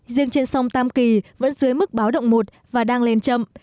riêng trên sông tam kỳ vẫn dưới mức báo động một và đang lên chậm